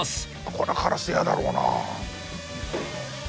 これカラス嫌だろうな。